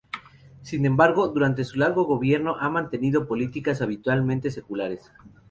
Sin embargo, durante su largo gobierno ha mantenido políticas habitualmente seculares.